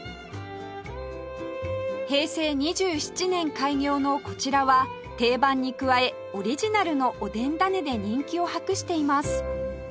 平成２７年開業のこちらは定番に加えオリジナルのおでん種で人気を博しています